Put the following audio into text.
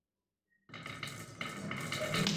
由东映动画的同名电视动画为原作。